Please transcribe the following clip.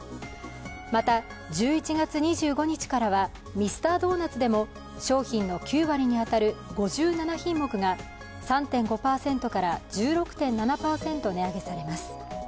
また、１１月２５日からはミスタードーナツでも商品の９割に当たる５７品目が３．５％から１６．７％値上げされます。